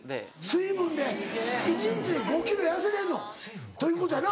水分で１日で５ｋｇ痩せれるのということやな。